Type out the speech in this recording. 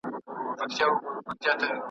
ویاله چي هر څو کاله سي وچه .